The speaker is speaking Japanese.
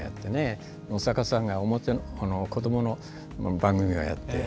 野坂さんが子どもの番組をやって。